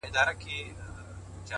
څوک وایي گران دی، څوک وای آسان دی،